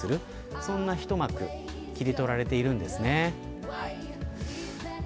そんな一幕切り取られているんですね。